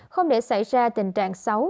không để xảy ra tình trạng xấu